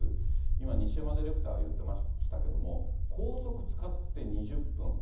今、西山ディレクターが言ってましたけど、高速使って２０分。